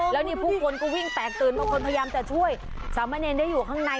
แล้วนี้ผู้คนก็วิ่งแตกตื่นแล้วภยามจะช่วยสามมะเน่นได้อยู่ข้างใน